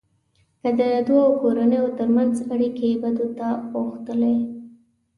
که د دوو کورنيو ترمنځ اړیکې بدو ته اوښتلې.